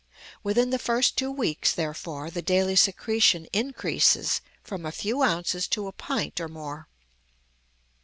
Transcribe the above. Within the first two weeks, therefore, the daily secretion increases from a few ounces to a pint or more.